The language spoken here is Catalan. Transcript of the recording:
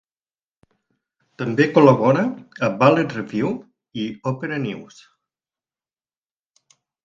També col·labora a "Ballet Review" i "Opera News".